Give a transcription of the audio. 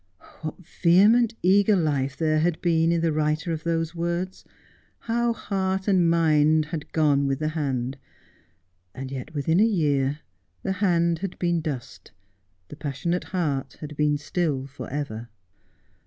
What vehement, eager life there had been in the writer of those words ; how heart and mind had gone with the hand ; and yet within a year the hand had been dust, the passionate heart had been still for ever